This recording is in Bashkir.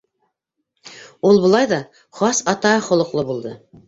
Ул былай ҙа хас атаһы холоҡло булды.